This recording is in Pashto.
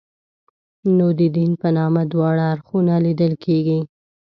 نو د دین په نامه دواړه اړخونه لیدل کېږي.